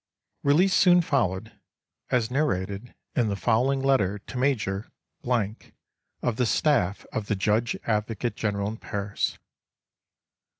Release soon followed, as narrated in the following letter to Major —— of the staff of the Judge Advocate General in Paris.